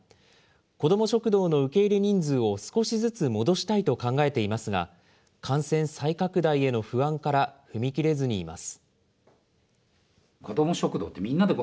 子ども食堂の受け入れ人数を少しずつ戻したいと考えていますが、感染再拡大への不安から踏み切れずにいます。